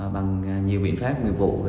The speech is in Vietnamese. bằng nhiều biện pháp người vụ